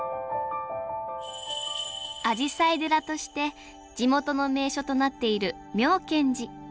アジサイ寺として地元の名所となっている妙顕寺。